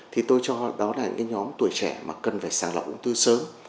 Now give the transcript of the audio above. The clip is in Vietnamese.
thì tôi cho đó là những nhóm tuổi trẻ mà cần phải sàng lọc ung thư sớm